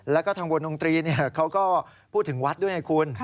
แล้วก็ทางวงดนตรีเขาก็พูดถึงวัดด้วยไงคุณ